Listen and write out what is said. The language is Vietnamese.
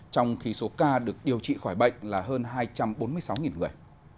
trong khi số ca được điều trị khỏi bệnh là hơn hai trăm bốn mươi sáu người